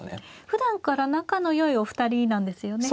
ふだんから仲のよいお二人なんですよね。